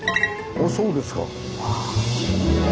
あそうですか。